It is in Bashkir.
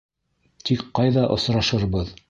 Тик ҡайҙа осрашырбыҙ.